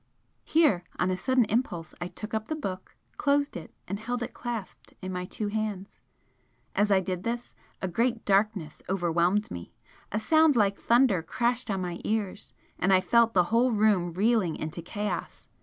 Here, on a sudden impulse, I took up the book, closed it and held it clasped in my two hands. As I did this, a great darkness overwhelmed me a sound like thunder crashed on my ears, and I felt the whole room reeling into chaos.